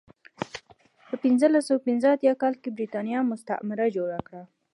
په پنځلس سوه پنځه اتیا کال کې برېټانیا مستعمره جوړه کړه.